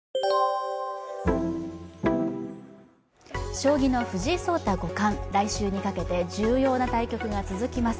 将棋の藤井聡太五冠、来週にかけて重要な対局が続きます。